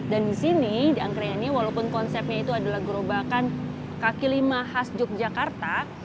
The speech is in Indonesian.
dan di sini di angkringannya walaupun konsepnya itu adalah gerobakan kekilima khas yogyakarta